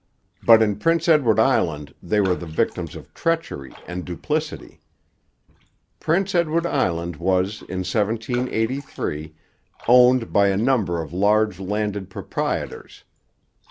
But in Prince Edward Island they were the victims of treachery and duplicity. Prince Edward Island was in 1783 owned by a number of large landed proprietors.